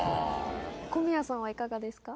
小宮さんは、いかがですか？